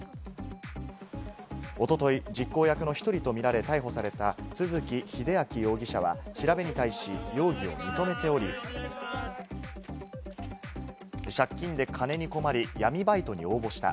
一昨日、実行役の一人とみられ、逮捕された都築英明容疑者は調べに対し容疑を認めており、借金で金に困り、闇バイトに応募した。